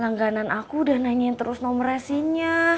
langganan aku udah nanyain terus nomresinya